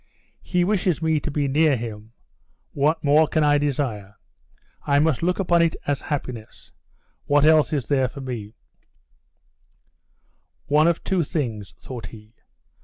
"He wishes me to be near him. What more can I desire? I must look upon it as happiness. What else is there for me " "One of two things," thought he.